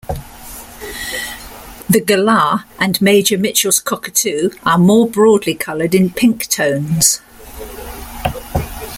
The galah and Major Mitchell's cockatoo are more broadly coloured in pink tones.